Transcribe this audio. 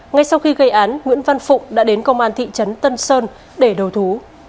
ngay sau khi gây án nguyễn văn phụng đã đến công an thị trấn tân sơn để đầu thú